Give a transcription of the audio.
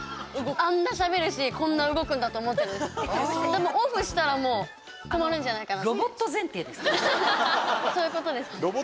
でも、オフしたら止まるんじゃないかなと。